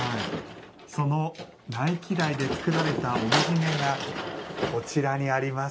その内記台で作られた帯締めがこちらにあります。